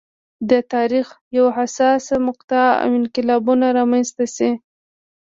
د تاریخ یوه حساسه مقطعه او انقلابونه رامنځته شي.